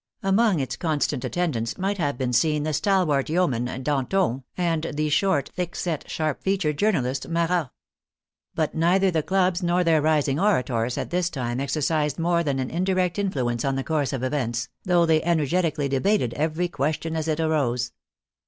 Among its constant at tendants might have been seen the stalwart yeoman Dan ton, and the short, thick set, sharp featured journalist Marat. But neither the clubs nor their rising orators at this time exercised more than an indirect influence on the course of events, though they energetically debated every question as it arose.